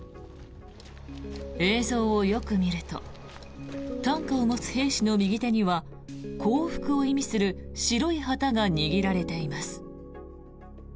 映像をよく見ると担架を持つ兵士の右手には降伏を意味する白い旗が握られています。